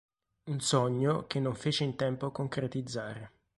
Un sogno che non fece in tempo a concretizzare.